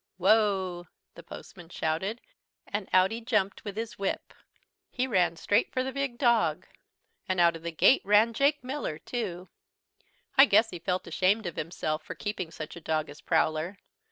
"Whoa!" the postman shouted and out he jumped with his whip! He ran straight for the big dog, and out of the gate ran Jake Miller too. I guess he felt ashamed of himself for keeping such a dog as Prowler.